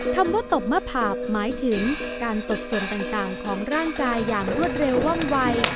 คำว่าตบมะผาบหมายถึงการตบส่วนต่างของร่างกายอย่างรวดเร็วว่องวัย